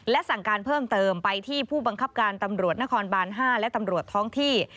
และสั่งการเพิ่มเติมไปที่ผู้บังคับการตำรวจนครบาน๕และตำรวจท้องที่